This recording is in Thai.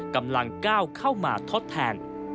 กำลังก้าวเข้ามาทดแทน